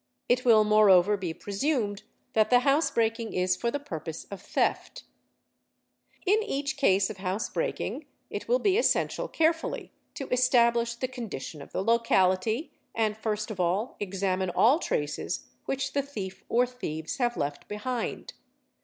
It will moreover be presumed that the housebreaking is for the purpose of theft. In each case of housebreaking it will be essential carefully to establish CAM TIO EN CRE ATT Bi» REAL TE ALI WAR HOI | AGL ges see. aed the condition of the locality and first of all examine all traces which the thief or thieves have left behind.